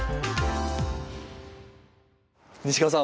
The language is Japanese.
西川さん